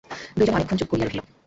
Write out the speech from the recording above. দুই জনে অনেকক্ষণ চুপ করিয়া রহিল।